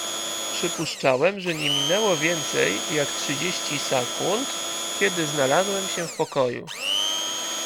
"Przypuszczałem, że nie minęło więcej, jak trzydzieści sekund, kiedy znalazłem się w pokoju."